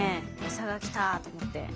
餌が来たと思って。